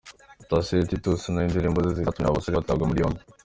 Thacien Titus nawe indirimbo ze ziri mu zatumye aba basore batabwa muri yombi.